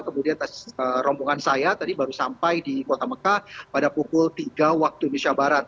kemudian rombongan saya tadi baru sampai di kota mekah pada pukul tiga waktu indonesia barat